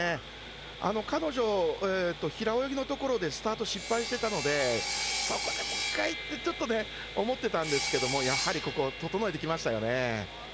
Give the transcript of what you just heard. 彼女、平泳ぎのところでスタート失敗していたのでそこでもう１回とちょっと思ってたんですけどもやはりここ、整えてきましたよね。